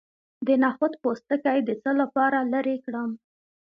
د نخود پوستکی د څه لپاره لرې کړم؟